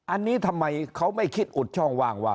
อันนี้ทำไมเขาไม่คิดอุดช่องว่างว่า